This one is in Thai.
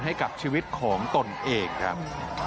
ให้กับชีวิตของตนเองครับ